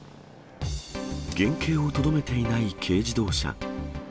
原形をとどめていない軽自動車。